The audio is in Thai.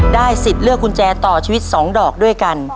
สิทธิ์เลือกกุญแจต่อชีวิต๒ดอกด้วยกัน